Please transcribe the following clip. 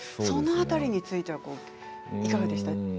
その辺りについてはいかがでしたか？